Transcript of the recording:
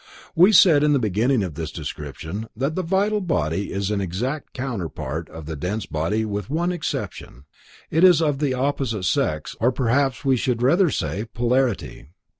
We said in the beginning of this description that the vital body is an exact counterpart of the dense body with one exception: it is of the opposite sex or perhaps we should rather say polarity.